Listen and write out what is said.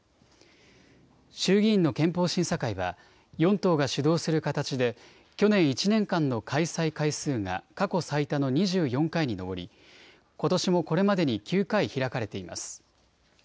衆議院の憲法審査会は、４党が主導する形で去年１年間の開催回数が過去最多の２４回に上り、ことしもこれまでに９回開かれています。